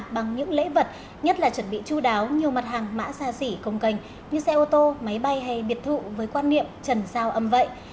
bằng những lễ vật nhất là chu đáo nhiều mặt hàng mã xa xỉ công cành như xe ô tô máy bay hay biệt thụ với quan niệm trần sao âm vậy